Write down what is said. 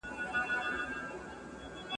دا دنيا به مالامال وي له بدلارو !.